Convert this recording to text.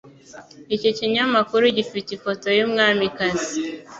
Iki kinyamakuru gifite ifoto yumwamikazi.